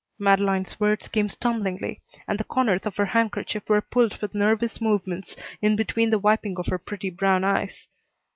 Madeleine's words came stumblingly, and the corners of her handkerchief were pulled with nervous movements in between the wiping of her pretty brown eyes.